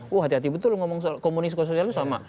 wah hati hati betul lo ngomong soal komunis ke sosialis sama